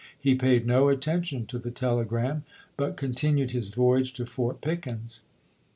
He paid no attention to the telegram, but continued his voyage to Fort Pickens.